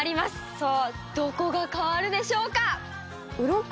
さぁどこが変わるでしょうか？